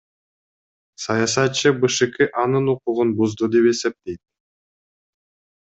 Саясатчы БШК анын укугун бузду деп эсептейт.